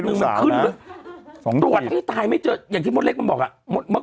ขึ้นสองทีตรวจให้ตายไม่เจออย่างที่มดเล็กมันบอกอ่ะ